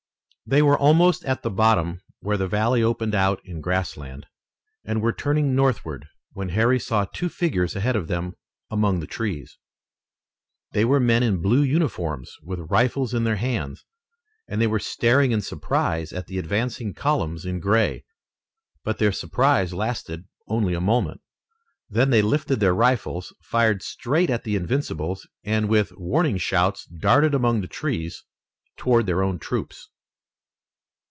They were almost at the bottom where the valley opened out in grass land, and were turning northward when Harry saw two figures ahead of them among the trees. They were men in blue uniforms with rifles in their hands, and they were staring in surprise at the advancing columns in gray. But their surprise lasted only a moment. Then they lifted their rifles, fired straight at the Invincibles, and with warning shouts darted among the trees toward their own troops.